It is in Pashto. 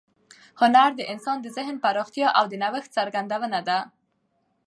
هنر د انسان د ذهن پراختیا او د نوښت څرګندونه ده.